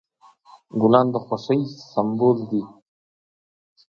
ګلان د خوښۍ سمبول دي.